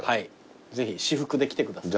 ぜひ私服で来てください。